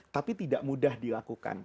tapi tidak mudah dilakukan